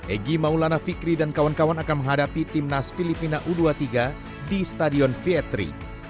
egy maulana fikri dan kawan kawan akan menghadapi timnas filipina u dua puluh tiga di stadion viety